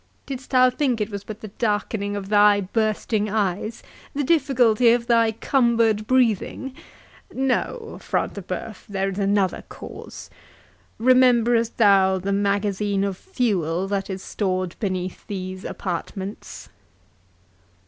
—Didst thou think it was but the darkening of thy bursting eyes—the difficulty of thy cumbered breathing?—No! Front de Bœuf, there is another cause—Rememberest thou the magazine of fuel that is stored beneath these apartments?"